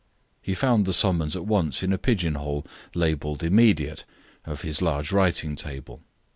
He found the summons at once in a pigeon hole, labelled "immediate," of his large writing table.